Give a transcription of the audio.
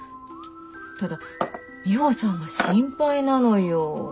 ただミホさんが心配なのよ。